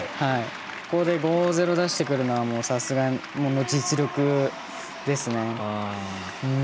ここで、５．０出してくるのはさすがの実力ですね。